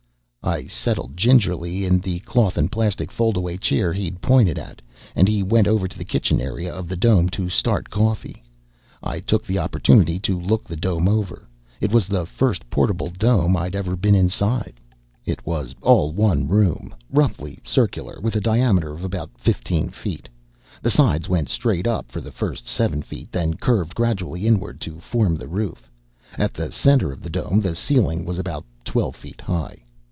I settled gingerly in the cloth and plastic foldaway chair he'd pointed at, and he went over to the kitchen area of the dome to start coffee. I took the opportunity to look the dome over. It was the first portable dome I'd ever been inside. It was all one room, roughly circular, with a diameter of about fifteen feet. The sides went straight up for the first seven feet, then curved gradually inward to form the roof. At the center of the dome, the ceiling was about twelve feet high.